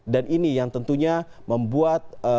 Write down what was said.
dan ini yang tentunya membuat